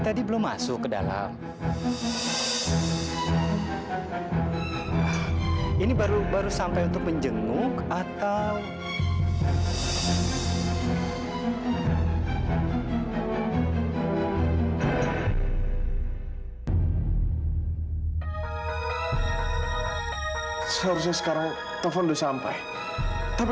tidak ada apa apa sebenarnya